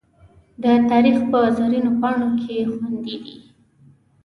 د تاریخ په زرینو پاڼو کې خوندي دي.